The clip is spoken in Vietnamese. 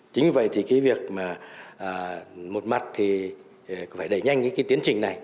chính vì vậy thì cái việc mà một mặt thì phải đẩy nhanh cái tiến trình này